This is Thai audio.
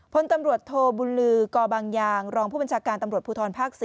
พลตำรวจโทบุญลือกบางยางรองผู้บัญชาการตำรวจภูทรภาค๔